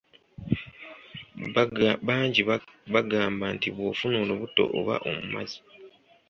Bangi bagamba nti bw’ofuna olubuto oba omumaze.